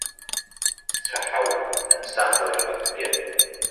Дцәаҳауп, даԥсам уажә акгьы.